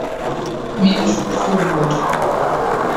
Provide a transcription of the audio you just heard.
Menos por favor!